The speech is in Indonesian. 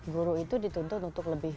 guru itu dituntut untuk lebih